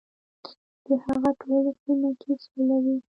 د هغه ټوله سیمه کې سوله وي .